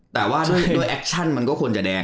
แต่ว่าด้วยแอคชั่นมันก็ควรจะแดง